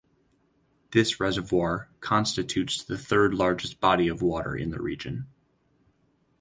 This reservoir constitutes the third largest body of water in the region.